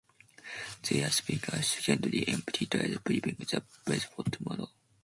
They are sweeping ash gently, emptying trays, preparing the hearth for tomorrow.